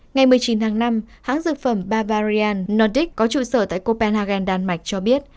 ngày một mươi chín tháng năm hãng dược phẩm balvarian nondric có trụ sở tại copenhagen đan mạch cho biết